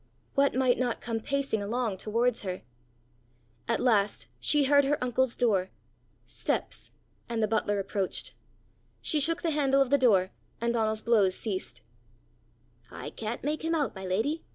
What might not come pacing along towards her! At last she heard her uncle's door steps and the butler approached. She shook the handle of the door, and Donal's blows ceased. "I can't make him out, my lady!"